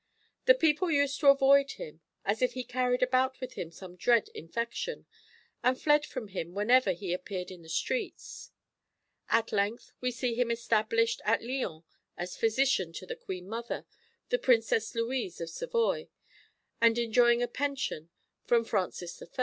The people used to avoid him, as if he carried about with him some dread infection, and fled from him whenever he appeared in the streets. At length we see him established at Lyons as physician to the Queen Mother, the Princess Louise of Savoy, and enjoying a pension from Francis I.